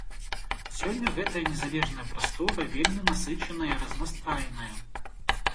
Сёння гэтая незалежная прастора вельмі насычаная і разнастайная.